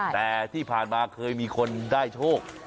แต่ที่ผ่านมาเคยมีคนได้โชค